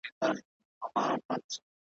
حاسد د ضرر لپاره ټول امکانات کاروي.